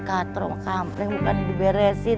katro sama kampreng bukan diberesin